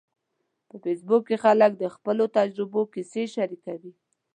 په فېسبوک کې خلک د خپلو تجربو کیسې شریکوي.